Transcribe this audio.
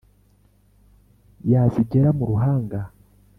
yazigera mu ruhanga,